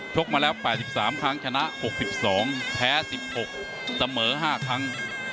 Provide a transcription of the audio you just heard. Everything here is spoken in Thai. กมาแล้ว๘๓ครั้งชนะ๖๒แพ้๑๖เสมอ๕ครั้ง